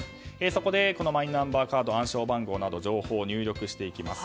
そこでこのマイナンバーカード暗証番号など情報を入力していきます。